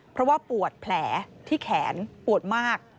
เพราะว่าปวดแผลที่แขนปวดมาก